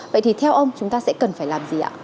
vậy thì theo ông chúng ta sẽ cần phải làm gì ạ